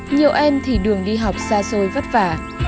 nhiều em thì đường đi học xa xôi vất vả